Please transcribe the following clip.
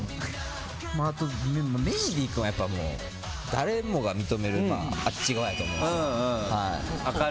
あと、メンディー君はもう誰もが認めるあっち側やと思うんですよ。